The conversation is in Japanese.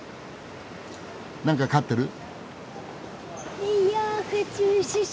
何か飼ってる？